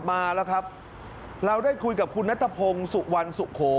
มาแล้วครับเราได้คุยกับคุณนัทพงศ์สุวรรณสุโข